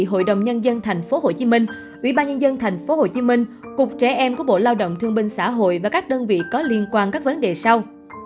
hội đồng nhân dân tp hcm ủy ban nhân dân tp hcm cục trẻ em của bộ lao động thương binh xã hội và các đơn vị có liên quan các vấn đề sau